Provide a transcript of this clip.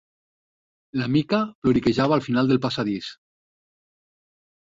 La Mica ploriquejava al final del passadís.